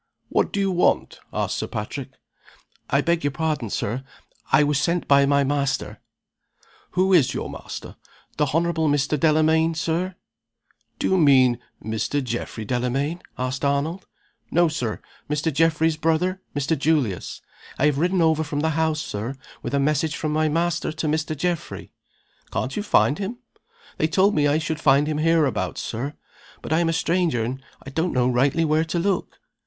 "What do you want?" asked Sir Patrick "I beg your pardon, Sir; I was sent by my master " "Who is your master?" "The Honorable Mr. Delamayn, Sir." "Do you mean Mr. Geoffrey Delamayn?" asked Arnold. "No, Sir. Mr. Geoffrey's brother Mr. Julius. I have ridden over from the house, Sir, with a message from my master to Mr. Geoffrey." "Can't you find him?" "They told me I should find him hereabouts, Sir. But I'm a stranger, and don't rightly know where to look."